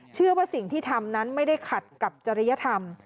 เชื่อว่าสิ่งที่ทำนั้นไม่ได้ขัดกับจริยธรรม